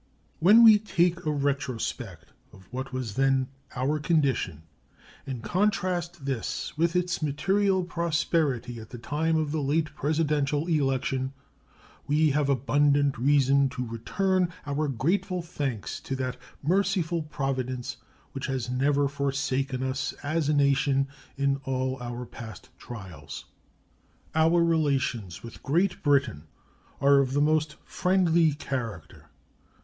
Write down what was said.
When we take a retrospect of what was then our condition and contrast this with its material prosperity at the time of the late Presidential election, we have abundant reason to return our grateful thanks to that merciful Providence which has never forsaken us as a nation in all our past trials. Our relations with Great Britain are of the most friendly character.